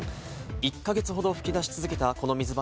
１か月ほど噴き出し続けたこの水柱。